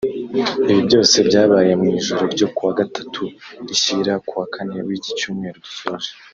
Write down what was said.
Ibi byose byabaye mu ijoro ryo kuwa gatatu rishyira kuwa kane w’iki cyumweru dusoje